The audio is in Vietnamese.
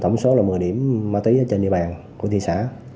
tổng số là một mươi điểm ma túy trên địa bàn của thị xã